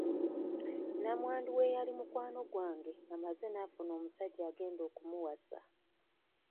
Namwandu w'eyali mukwano gwange amaze n'afuna omusajja agenda okumuwasa.